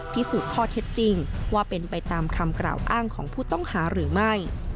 พิสูจน์ข้อเท็จจริงว่าเป็นไปตามคำกล่าวอ้างของผู้ต้องหาหรือไม่